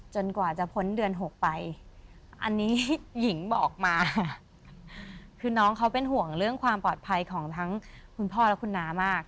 กว่าจะพ้นเดือน๖ไปอันนี้หญิงบอกมาคือน้องเขาเป็นห่วงเรื่องความปลอดภัยของทั้งคุณพ่อและคุณน้ามาก